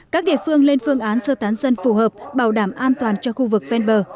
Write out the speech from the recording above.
các địa phương lên phương án sơ tán dân phù hợp bảo đảm an toàn cho khu vực ven bờ